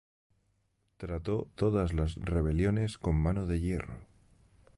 Trató todas las rebeliones con mano de hierro.